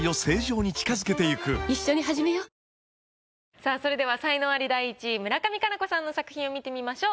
さあそれでは才能アリ第１位村上佳菜子さんの作品を見てみましょう。